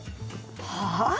はあ？